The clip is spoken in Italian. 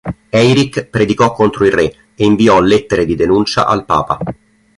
Eirik predicò contro il re e inviò lettere di denuncia al Papa.